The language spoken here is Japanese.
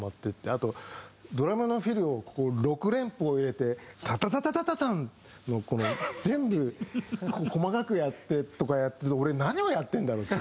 あとドラムのフィルを６連符を入れて「タタタタタタタン」のこの全部細かくやってとか俺何をやってるんだろう？って。